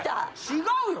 違うよ！